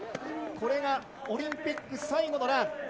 これがオリンピック最後のラン。